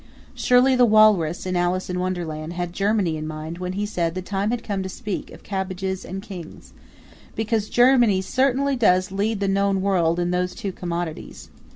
Surely the Walrus, in Alice in Wonderland, had Germany in mind when he said the time had come to speak of cabbages and kings because Germany certainly does lead the known world in those two commodities.